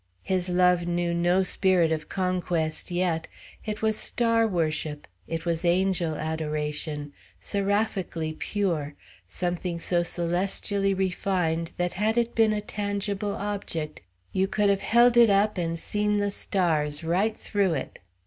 His love knew no spirit of conquest yet; it was star worship; it was angel adoration; seraphically pure; something so celestially refined that had it been a tangible object you could have held it up and seen the stars right through it.